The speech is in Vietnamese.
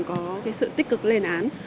có cái sự tích cực lên án